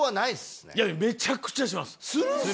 いやめちゃくちゃします。